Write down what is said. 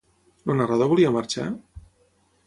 El narrador volia marxar?